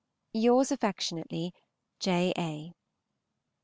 Yours affectionately, J. A.